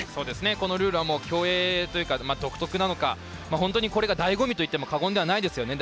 このルールは競泳というか本当にこれがだいご味といっても過言ではないですよね。